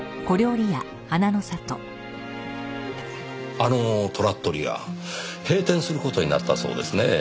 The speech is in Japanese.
あのトラットリア閉店する事になったそうですねぇ。